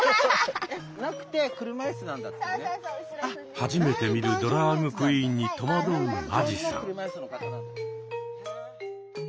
初めて見るドラァグクイーンに戸惑う間地さん。